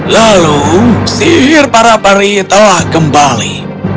lalu sihir para peri telah kembali